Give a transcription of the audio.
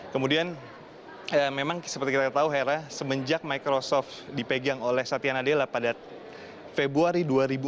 kemudian memang seperti kita tahu hera semenjak microsoft dipegang oleh satya nadella pada februari dua ribu dua puluh